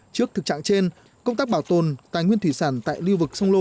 trước thực trạng trên công tác bảo tồn tài nguyên thủy sản tại lưu vực sông lô